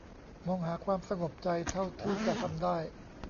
มองหาความสงบใจเท่าที่จะทำได้